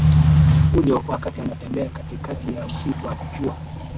fujo wakati anatembea katikati ya msitu Alijua